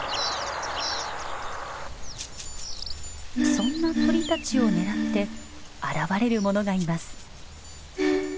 そんな鳥たちを狙って現れる者がいます。